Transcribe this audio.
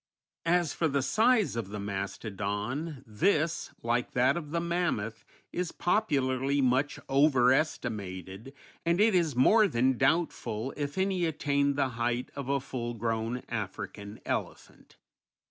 _] As for the size of the mastodon, this, like that of the mammoth, is popularly much over estimated, and it is more than doubtful if any attained the height of a full grown African elephant.